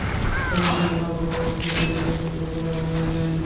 চাকু দিয়ে মাঝ বরাবর কেটে নিলেই দুটো গোলাপ হয়ে যাবে।